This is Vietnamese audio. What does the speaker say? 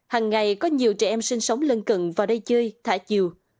hằng ngày có nhiều trẻ em sinh sống lân cận vào đây chơi thả chiều